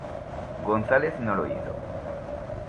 González no lo hizo.